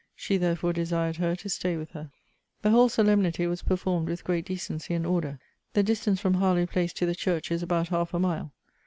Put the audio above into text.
She therefore desired her to stay with her. The whole solemnity was performed with great decency and order. The distance from Harlowe place to the church is about half a mile.